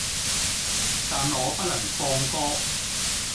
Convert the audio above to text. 但我不能放歌